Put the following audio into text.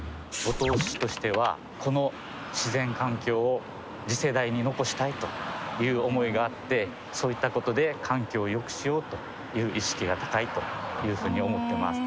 五島市としてはこの自然環境を次世代に残したいという思いがあってそういったことで環境をよくしようという意識が高いというふうに思ってます。